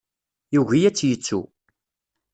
Yugi ad tt-yettu.